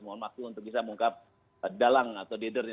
mohon waktu untuk bisa mengungkap dalang atau dider ini